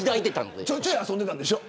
ちょいちょい遊んでたんでしょ。